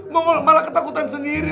mongol malah ketakutan sendiri